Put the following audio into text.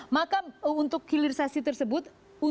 maka untuk hilirisasi tersebut